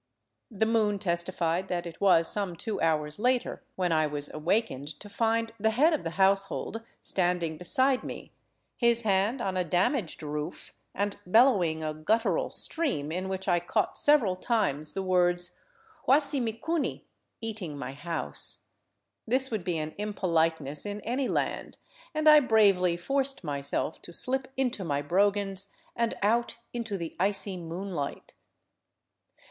The moon testified that it was some two hours later when I was awakened to find the head of the household standing beside me, his hand on a damaged roof and bellowing a guttural stream in which I caught several times the words '' Huasi micuni — eating my house." This would be an impoliteness in any land, and I bravely forced myself to slip into my brogans and out into the icy moonlight.